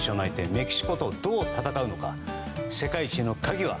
メキシコとどう戦うのか世界一への鍵は？